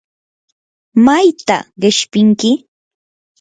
¿mayta qishpinki?